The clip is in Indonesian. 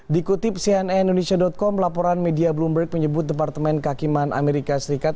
dikutip cnn indonesia com laporan media bloomberg menyebut departemen kakiman amerika serikat